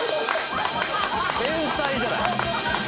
天才じゃない？